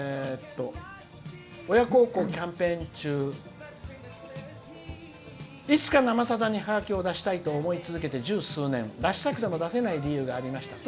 親孝行キャンペーン中いつか「生さだ」にハガキを出したいと思い十数年出したくても出せない理由がありました。